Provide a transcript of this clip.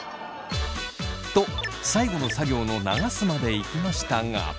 と最後の作業の流すまでいきましたが。